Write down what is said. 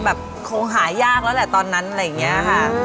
แบบคงหายากแล้วแหละตอนนั้นอะไรอย่างนี้ค่ะ